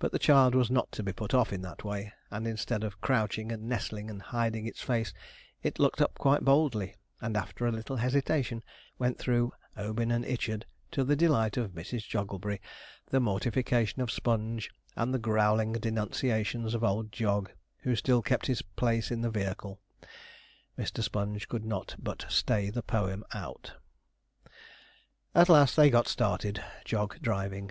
But the child was not to be put off in that way, and instead of crouching, and nestling, and hiding its face, it looked up quite boldly, and after a little hesitation went through 'Obin and Ichard,' to the delight of Mrs. Jogglebury, the mortification of Sponge, and the growling denunciations of old Jog, who still kept his place in the vehicle. Mr. Sponge could not but stay the poem out. At last they got started, Jog driving.